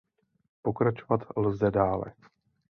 Pokračovat lze dále.